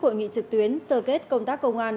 hội nghị trực tuyến sơ kết công tác công an